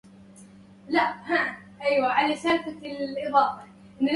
ألا ما لحي بالعذيب خماص